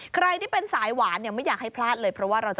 ใครที่เป็นสายหวานเนี่ยไม่อยากให้พลาดเลย